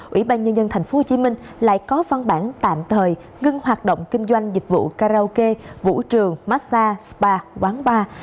ủy ban nhân dân tp hcm lại có văn bản tạm thời ngưng hoạt động kinh doanh dịch vụ karaoke vũ trường massage spa quán bar